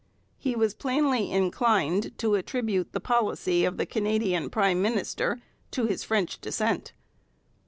He was plainly inclined to attribute the policy of the Canadian prime minister to his French descent.